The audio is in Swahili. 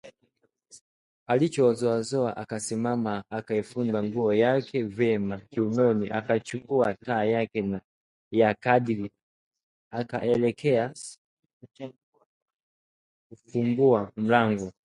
Alijizoazoa akasimama akaifunga nguo yake vyema kiunoni, akachukua taa yake ya kandili akaelekea kuufungua mlango